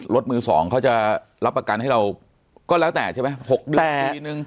รถมือ๒เขาจะรับประกันให้เราก็แล้วแต่ใช่ไหม๖เดือนปีนึง